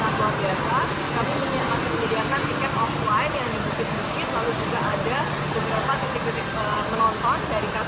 kami masih menyediakan tiket offline yang di bukit bukit lalu juga ada beberapa titik titik menonton dari kafe kafe